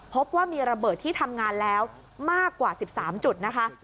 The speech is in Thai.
พบว่ามีระเบิดที่ทำงานแล้วมากกว่า๑๓จุดนะคะ